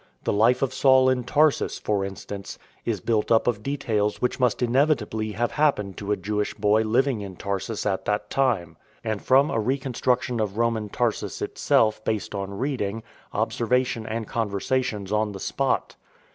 The life of Saul in Tarsus, for instance, is built up of details which must inevitably have happened to a Jewish boy living in Tarsus at that time; and from a reconstruc * §ee Bibliography for list of books. 12 PAUL THE DAUNTLESS tion of Roman Tarsus itself based on reading, obser vation, and conversations on the spot.